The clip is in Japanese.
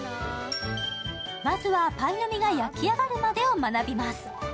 まずはパイの実が焼き上がるまでを学びます。